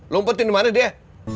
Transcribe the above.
lu ngepotin dimana dia